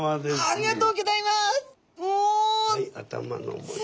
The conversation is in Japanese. ありがとうございます。